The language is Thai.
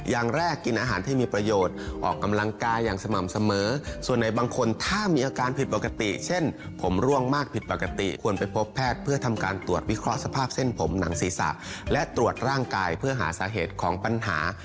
อย่างแรกกินอาหารที่มีประโยชน์ออกกำลังกายอย่างสม่ำเสมอส่วนไหนบางคนถ้ามีอาการผิดปกติเช่นผมร่วงมากผิดปกติควรไปพบแพทย์เพื่อทำการตรวจวิเคราะห์สภาพเส้นผมหนังศีรษะและตรวจร่างกายเพื่อหาสาเหตุของปัญหา